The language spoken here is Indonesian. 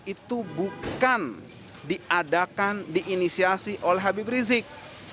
itu bukan diadakan diinisiasi oleh habib rizik